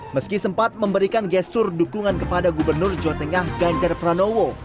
meski sempat memberikan gestur dukungan kepada gubernur jawa tengah ganjar pranowo